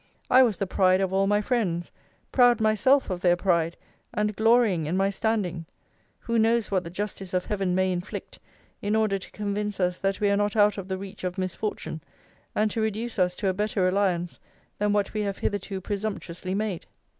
I was the pride of all my friends, proud myself of their pride, and glorying in my standing. Who knows what the justice of Heaven may inflict, in order to convince us, that we are not out of the reach of misfortune; and to reduce us to a better reliance, than what we have hitherto presumptuously made?